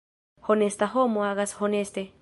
Honesta homo agas honeste.